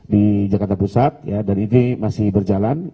di jakarta pusat dan ini masih berjalan